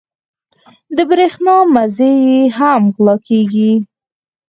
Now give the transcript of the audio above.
د برېښنا مزي یې هم غلا کېږي.